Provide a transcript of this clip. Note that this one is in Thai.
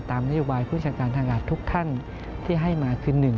นโยบายผู้จัดการทางอากาศทุกท่านที่ให้มาคือ๑